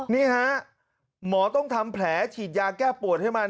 นี่ฮะหมอต้องทำแผลฉีดยาแก้ปวดให้มัน